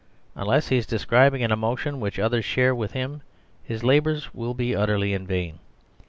Unless he is describing an emotion which others share with him, his labours will be utterly in vain.